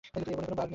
এ বনে কোন বাঘ নেই।